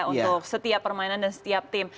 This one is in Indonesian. untuk setiap permainan dan setiap tim